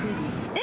え？